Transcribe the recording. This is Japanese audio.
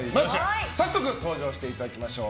早速登場していただきましょう。